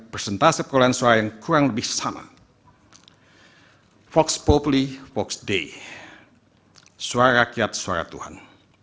persentase perolahan suara yang kurang lebih sama fox populi fox day suara rakyat suara tuhan